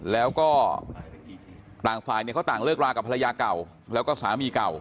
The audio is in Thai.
แล้วก็ต่างฝ่ายเนี่ยเขาต่างเลิกรากับภรรยาเก่าแล้วก็สามีเก่า